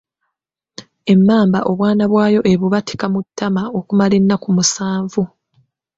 Emmamba obwana bwayo ebubatika mu ttama okumala ennaku musanvu.